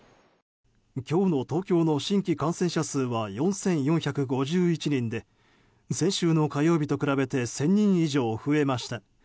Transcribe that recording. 今日の東京の新規感染者数は４４５１人で先週の火曜日と比べて１０００人以上増えました。